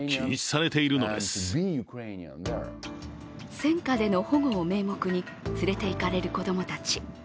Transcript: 戦禍での保護を名目に連れていかれる子供たち。